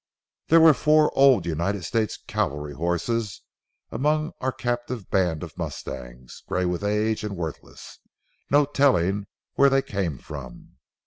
"There were four old United States cavalry horses among our captive band of mustangs, gray with age and worthless—no telling where they came from.